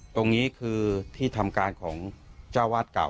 ตรงนี้คือที่ทำการของเจ้าวาดเก่า